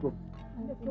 ibu itu akan pennil